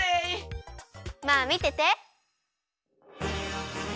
まあみてて。